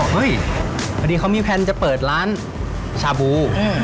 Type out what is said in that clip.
พอดีเขามีแพลนจะเปิดร้านชาบู